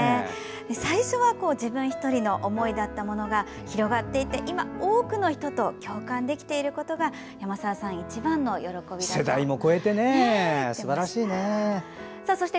最初は自分１人の思いだったものが広がっていって今、多くの人と共感できていることが山澤さん、一番の喜びだとおっしゃっていました。